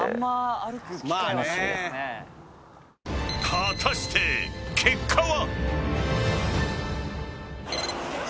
［果たして結果は？］